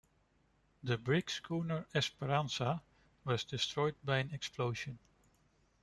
The brig-schooner "Esperanza" was destroyed by an explosion.